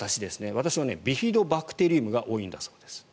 私はビフィドバクテリウムが多いんだそうです。